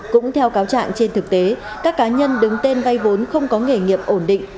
cũng theo cáo trạng trên thực tế các cá nhân đứng tên vay vốn không có nghề nghiệp ổn định